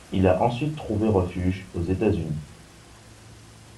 Il a ensuite trouvé refuge aux États-Unis.